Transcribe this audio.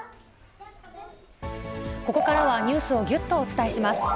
ここからはニュースをぎゅっとお伝えします。